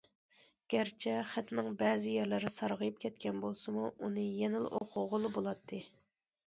گەرچە خەتنىڭ بەزى يەرلىرى سارغىيىپ كەتكەن بولسىمۇ، ئۇنى يەنىلا ئوقۇغىلى بولاتتى.